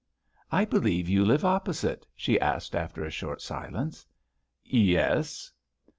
"I believe you live opposite?" she asked after a short silence. "Yes."